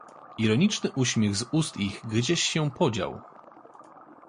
"Ironiczny uśmiech z ust ich gdzieś się podział."